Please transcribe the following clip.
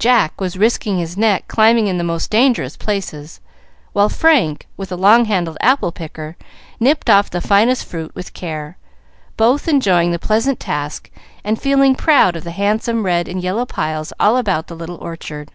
Jack was risking his neck climbing in the most dangerous places, while Frank, with a long handled apple picker, nipped off the finest fruit with care, both enjoying the pleasant task and feeling proud of the handsome red and yellow piles all about the little orchard.